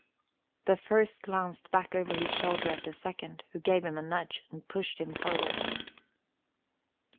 The first glanced back over his shoulder at the second, who gave him a nudge and pushed him forward.